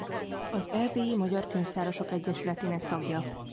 Az Erdélyi Magyar Könyvtárosok Egyesületének tagja.